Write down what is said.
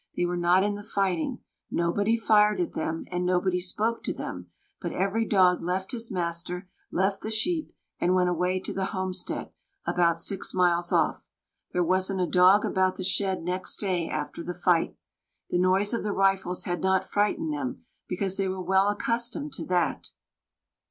They were not in the fighting; nobody fired at them, and nobody spoke to them; but every dog left his master, left the sheep, and went away to the homestead, about six miles off. There wasn't a dog about the shed next day after the fight. The noise of the rifles had not frightened them, because they were well accustomed to that.